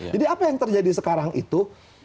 apa yang terjadi sekarang itu